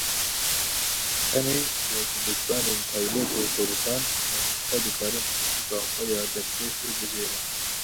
Tenê li dibistanên taybet û kursan mamoste dikarin pirtûka xwe ya dersê hilbijêrin.